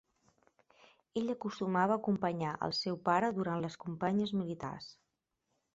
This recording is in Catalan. Ell acostumava a acompanyar al seu pare durant les campanyes militars.